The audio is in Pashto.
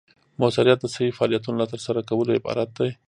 مؤثریت د صحیح فعالیتونو له ترسره کولو عبارت دی.